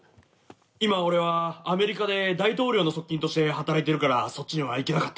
今俺はアメリカで大統領の側近として働いているからそっちには行けなかった。